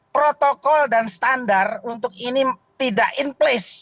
protokol dan standar untuk ini tidak in place